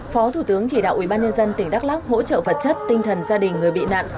phó thủ tướng chỉ đạo ubnd tỉnh đắk lắc hỗ trợ vật chất tinh thần gia đình người bị nạn